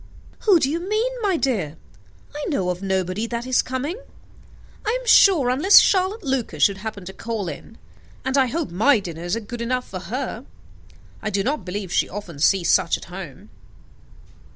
"Who do you mean, my dear? I know of nobody that is coming, I am sure, unless Charlotte Lucas should happen to call in; and I hope my dinners are good enough for her. I do not believe she often sees such at home."